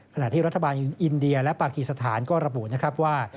ขณะที่รัฐบาลอินเดียและปากีสถานก็ระบุนะครับว่า